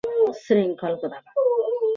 সুচরিতা জিজ্ঞাসা করিল, কোথায় ছিলি?